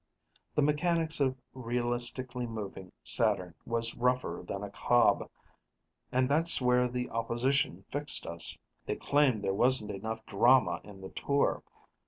The mechanics of realistically moving Saturn was rougher than a cob. And that's where the opposition fixed us. They claimed there wasn't enough drama in the tour.